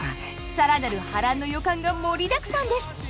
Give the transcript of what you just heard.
更なる波乱の予感が盛りだくさんです。